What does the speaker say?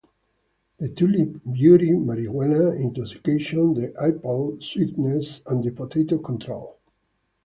The tulip, beauty; marijuana, intoxication; the apple, sweetness; and the potato, control.